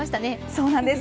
そうなんです。